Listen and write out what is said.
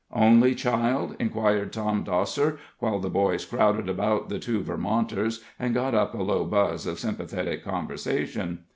"Only child?" inquired Tom Dosser, while the boys crowded about the two Vermonters, and got up a low buzz of sympathetic conversation.